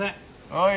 はい。